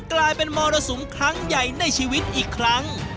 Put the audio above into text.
กลายเป็นมรสุมครั้งใหญ่ในชีวิตอีกครั้ง